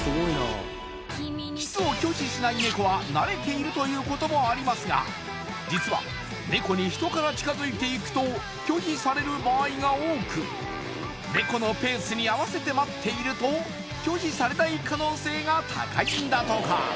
キスを拒否しないネコは慣れているということもありますが実はネコに人から近づいていくと拒否される場合が多くネコのペースに合わせて待っていると拒否されない可能性が高いんだとか